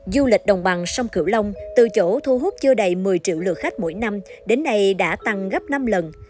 du lịch đồng bằng sông cửu long từ chỗ thu hút chưa đầy một mươi triệu lượt khách mỗi năm đến nay đã tăng gấp năm lần